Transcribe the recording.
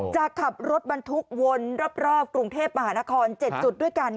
ขับรถบรรทุกวนรอบกรุงเทพมหานคร๗จุดด้วยกัน